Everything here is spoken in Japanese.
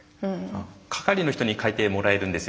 係の人に書いてもらえるんですよね。